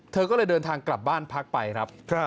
เธอก็เลยเดินทางกลับบ้านพักไปครับ